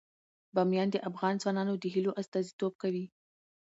بامیان د افغان ځوانانو د هیلو استازیتوب کوي.